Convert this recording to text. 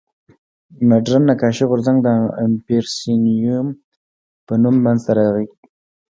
مډرن نقاشي غورځنګ د امپرسیونیېم په نوم منځ ته راغی.